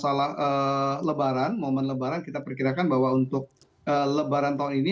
masalah lebaran momen lebaran kita perkirakan bahwa untuk lebaran tahun ini